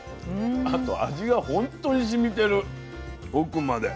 あと味がほんとにしみてる奥まで。